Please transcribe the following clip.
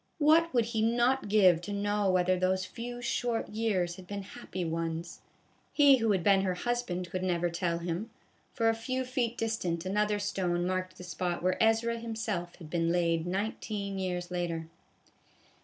What would he not give to know whether those few short years had been happy ones. He who had been her husband could never tell him ; for a few feet distant another stone marked the spot where Ezra himself had been laid nineteen years later.